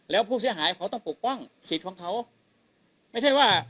แล้วผู้เสียหายเขาต้องปกป้องสิทธิ์ของเขาไม่ใช่ว่า